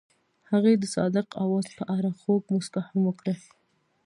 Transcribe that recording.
هغې د صادق اواز په اړه خوږه موسکا هم وکړه.